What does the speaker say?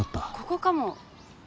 ここかも。